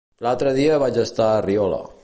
L'altre dia vaig estar a Riola.